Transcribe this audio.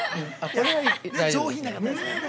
◆これは大丈夫ですね。